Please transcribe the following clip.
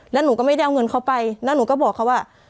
แล้วหนูก็ไม่ได้เอาเงินเขาไปแล้วหนูก็บอกเขาว่า